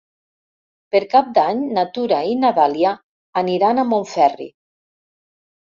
Per Cap d'Any na Tura i na Dàlia aniran a Montferri.